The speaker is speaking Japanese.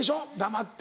黙って。